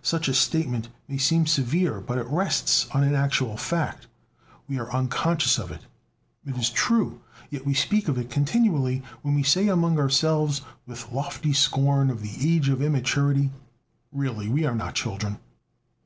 Such a statement may seem severe, but it rests on an actual fact. We are unconscious of it, it is true; yet we speak of it continually when we say among ourselves with lofty scorn of the age of immaturity: "Really, we are not children."